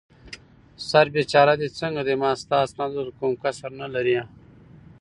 سر بېچاره دې څنګه دی؟ ما ستا اسناد وکتل، کوم کسر نه لرې.